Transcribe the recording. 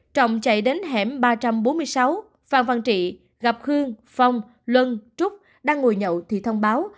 trọng chạy đến hẻm ba trăm bốn mươi sáu phan văn trị gặp khương phong luân trúc đang ngồi nhậu thì thông báo